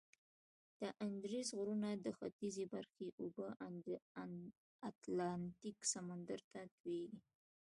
د اندیزد غرونو د ختیځي برخې اوبه اتلانتیک سمندر ته تویږي.